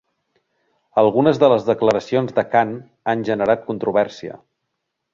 Algunes de les declaracions de Khan han generat controvèrsia.